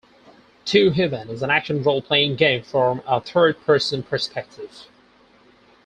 "Too Human" is an action role-playing game from a third-person perspective.